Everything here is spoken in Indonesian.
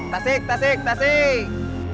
tasik tasik tasik